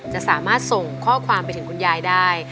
จะสามารถส่งข้อความไปถึงคุณยายได้